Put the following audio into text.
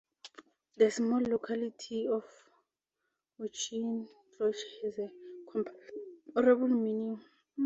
The small locality of Auchincloich has a comparable meaning.